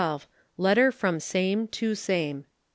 Letter from same to same.